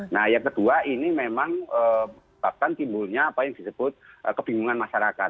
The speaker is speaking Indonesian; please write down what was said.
nah yang kedua ini memang bahkan timbulnya apa yang disebut kebingungan masyarakat